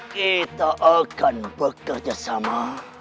kita akan bekerjasama